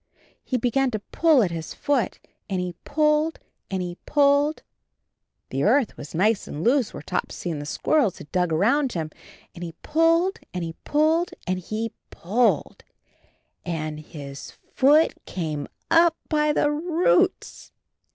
He began to pull at his foot — and he pulled and he pulled. The earth was nice and loose where Topsy and the squirrels had dug around him — and he pulled and he pulled and he PULLED — and — his foot came up hy the roots!